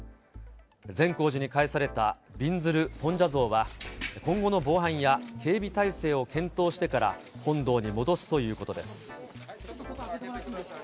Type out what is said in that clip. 善光寺に返されたびんずる尊者像は、今後の防犯や警備体制を検討してから、本堂に戻すということです。